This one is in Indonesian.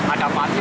ada apaan itu